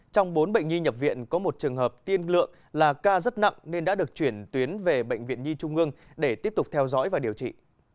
trong bốn bệnh nhi nhập viện có một trường hợp tiên lượng là ca rất nặng nên đã được chuyển tuyến về bệnh viện nhi trung ương để tiếp tục theo dõi và điều trị